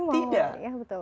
tidak masih mau